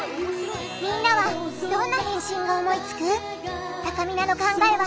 みんなはどんな返信を思いつく？